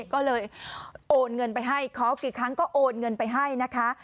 ก็เลยโอนเงินไปให้ขอกี่ครั้งก็โอนเงินไปให้นะคะ